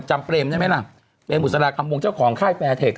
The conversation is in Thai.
เปรมได้ไหมล่ะเปรมบุษราคำวงเจ้าของค่ายแฟร์เทค